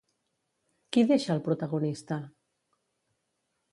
Qui deixa al protagonista?